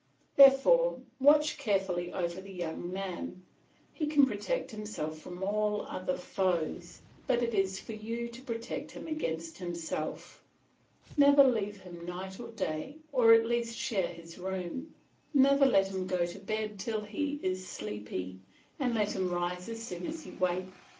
Therefore, watch carefully over the young man; he can protect himself from all other foes, but it is for you to protect him against himself. Never leave him night or day, or at least share his room; never let him go to bed till he is sleepy, and let him rise as soon as he wakes.